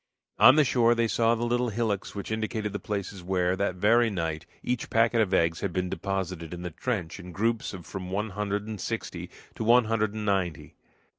On the shore they saw the little hillocks which indicated the places where, that very night, each packet of eggs had been deposited in the trench in groups of from one hundred and sixty to one hundred and ninety.